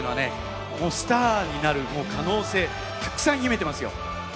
もうスターになる可能性たくさん秘めてますよ。